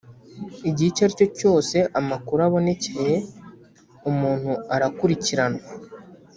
Igihe icyo ari cyo cyose amakuru abonekeye umuntu arakurikiranwa